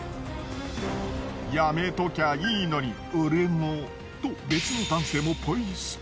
やめときゃいいのに俺もと別の男性もポイ捨て。